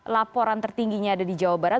laporan tertingginya ada di jawa barat